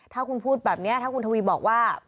ถ้าคุณพูดแบบนี้ถ้าคุณทวีบอกว่า